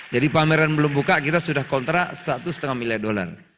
jadi pameran belum buka kita sudah kontrak satu lima miliar dolar